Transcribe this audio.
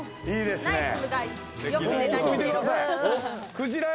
いいですね。